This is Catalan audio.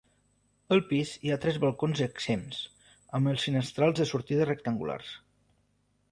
Al pis hi ha tres balcons exempts, amb els finestrals de sortida rectangulars.